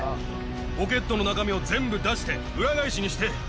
ポケットの中身を全部出して、裏返しにして。